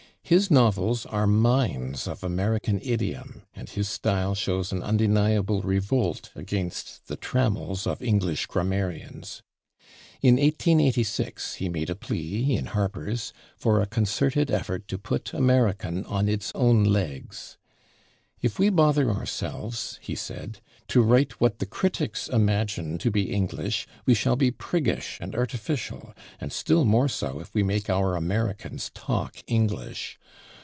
His novels are mines of American idiom, and his style shows an undeniable revolt against the trammels of English grammarians. In 1886 he made a plea in /Harper's/ for a concerted effort to put American on its own legs. "If we bother ourselves," he said, "to write what the critics imagine to be 'English,' we shall be priggish and artificial, and still more so if we make our Americans talk 'English.'